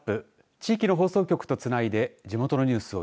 地域の放送局とつないで地元のニュースを